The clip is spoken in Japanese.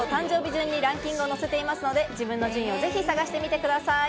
順にランキングを載せていますので、自分の順位をぜひ探してみてください。